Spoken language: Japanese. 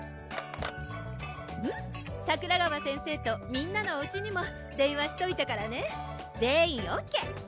桜川先生とみんなのおうちにも電話しといたからね全員ＯＫ！